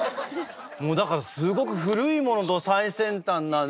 もうだからすごく古いものと最先端なね